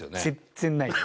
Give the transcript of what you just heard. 全然ないよ。